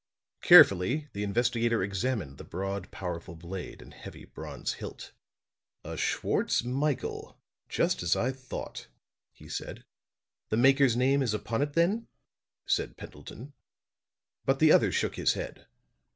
Carefully the investigator examined the broad, powerful blade and heavy bronze hilt. "A Schwartz Michael, just as I thought," he said. "The maker's name is upon it then?" said Pendleton. But the other shook his head.